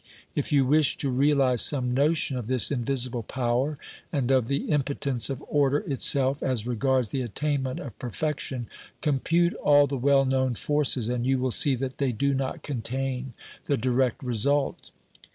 If you wish to realise some notion of this invisible power and of the im potence of order itself as regards the attainment of per fection, compute all the well known forces, and you will see that they do not contain the direct result.